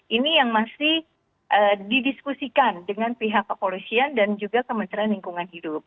ini yang masih didiskusikan dengan pihak kepolisian dan juga kementerian lingkungan hidup